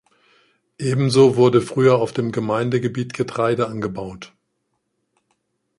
Ebenso wurde früher auf dem Gemeindegebiet Getreide angebaut.